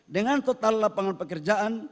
dengan total lapangan pekerjaan